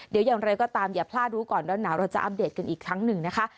เดี๋ยวอย่างไรก็ตามอย่าพลาดรู้ก่อนร้อนหนาวเราจะอัปเดตกันอีกครั้งหนึ่งนะคะ